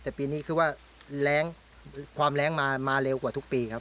แต่ปีนี้คือว่าแรงความแรงมาเร็วกว่าทุกปีครับ